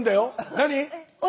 何？